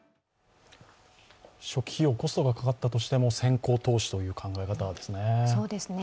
初期費用こそがかかったとしても先行投資という考え方ですね。